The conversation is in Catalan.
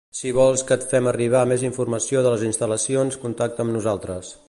Si vols que et fem arribar més informació de les instal·lacions, contacta amb nosaltres.